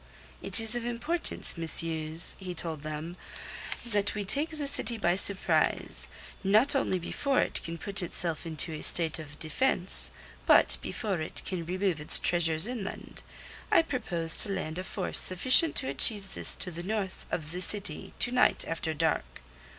"It is of importance, messieurs," he told them, "that we take the city by surprise, not only before it can put itself into a state of defence; but before it can remove its treasures inland. I propose to land a force sufficient to achieve this to the north of the city to night after dark."